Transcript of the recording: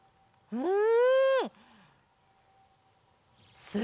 うん。